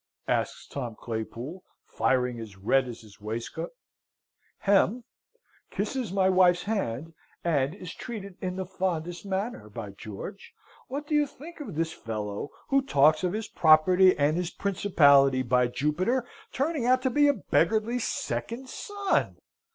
asks Tom Claypool, firing as red as his waistcoat. " Hem! Kisses my wife's hand, and is treated in the fondest manner, by George! What do you think of this fellow, who talks of his property and his principality, by Jupiter! turning out to be a beggarly SECOND SON!